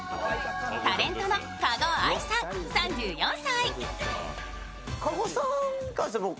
タレントの加護亜依さん３４歳。